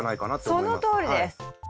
そのとおりです！